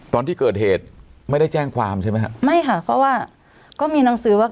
ตอนที่เกิดเหตุไม่ได้แจ้งความใช่ไหมฮะไม่ค่ะเพราะว่าก็มีหนังสือว่า